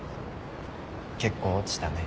結構落ちたね。